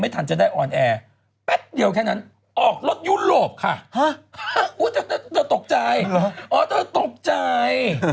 อ๋อเธอตกใจ